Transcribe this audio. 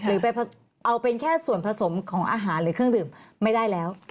หรือไปเอาเป็นแค่ส่วนผสมของอาหารหรือเครื่องดื่มไม่ได้แล้ว